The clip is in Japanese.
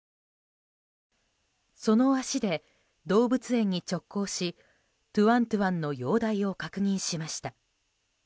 その足で動物園に直行しトゥアントゥアンの容体を確認しました。